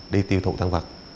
đi tiêu thụ thân vật